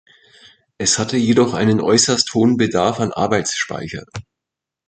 Es hatte jedoch einen äußerst hohen Bedarf an Arbeitsspeicher.